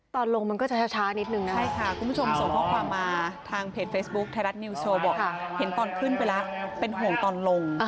ตอนลงมันก็จะช้านิดนึงนะใช่ค่ะคุณผู้ชมส่งข้อความมาทางเพจเฟซบุ๊คไทยรัฐนิวสโชว์บอกเห็นตอนขึ้นไปแล้วเป็นห่วงตอนลง